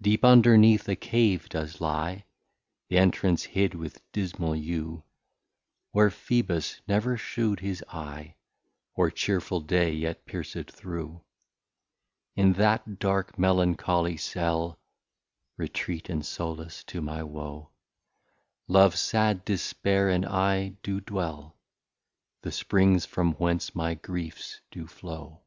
Deep underneath a Cave does lie, Th'entrance hid with dismal Yew, Where Phebus never shew'd his Eye, Or cheerful Day yet pierced through. In that dark Melancholy Cell, (Retreate and Sollace to my Woe) Love, sad Dispair, and I, do dwell, The Springs from whence my Griefs do flow.